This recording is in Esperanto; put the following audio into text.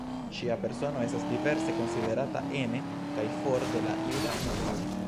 Ŝia persono estas diverse konsiderata ene kaj for de la juda medio.